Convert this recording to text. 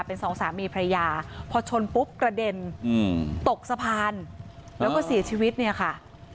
เป็นสองสามีพระยาพอชนปุ๊บกระเด็นตกสะพานแล้วก็เสียชีวิตเนี่ยค่ะ